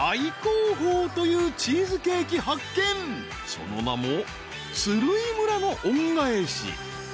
［その名も鶴居村の恩返し］